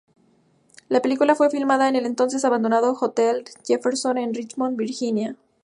La película fue filmada en el entonces abandonado Hotel Jefferson en Richmond, Virginia.